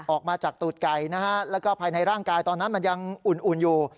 ออกมาจากตูดไก่นะฮะแล้วก็ภายในร่างกายตอนนั้นมันยังอุ่นอยู่